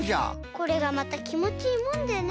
これがまたきもちいいもんでねえ。